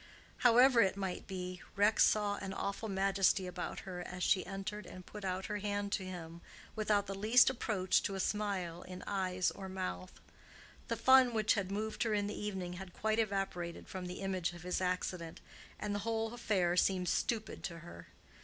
However it might be, Rex saw an awful majesty about her as she entered and put out her hand to him, without the least approach to a smile in eyes or mouth. The fun which had moved her in the evening had quite evaporated from the image of his accident, and the whole affair seemed stupid to her.